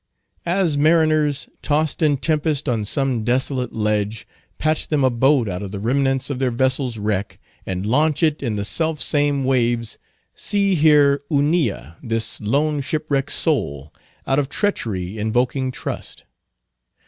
As mariners, tost in tempest on some desolate ledge, patch them a boat out of the remnants of their vessel's wreck, and launch it in the self same waves, see here Hunilla, this lone shipwrecked soul, out of treachery invoking trust.